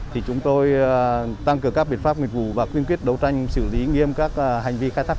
thì chúng tôi tăng cường các biện pháp nghiệp vụ và quyên quyết đấu tranh xử lý nghiêm các hành vi khai thác